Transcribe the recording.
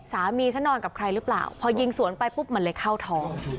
ฉันนอนกับใครหรือเปล่าพอยิงสวนไปปุ๊บมันเลยเข้าท้อง